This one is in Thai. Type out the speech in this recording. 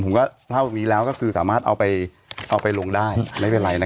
ผมก็เล่าแบบนี้แล้วก็คือสามารถเอาไปเอาไปลงได้ไม่เป็นไร